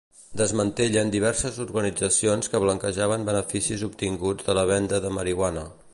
Desmantellen diverses organitzacions que blanquejaven beneficis obtinguts de la venda de marihuana.